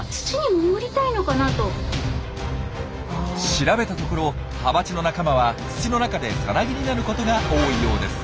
調べたところハバチの仲間は土の中でさなぎになることが多いようです。